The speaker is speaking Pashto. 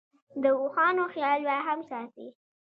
د اوښانو خیال به هم ساتې.